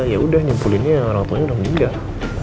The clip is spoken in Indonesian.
ya udah nyimpulinnya orang tuanya udah meninggal